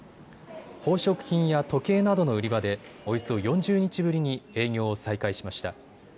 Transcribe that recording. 宝飾品や時計などの売り場でおよそ４０日ぶりに営業を再開しました。